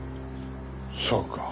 そうか。